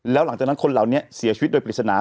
แล้วหลังจากนั้นคนเหล่านี้เสียชีวิตโดยปริศนา